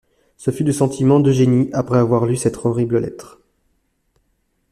Ce fut le sentiment d’Eugénie après avoir lu cette horrible lettre.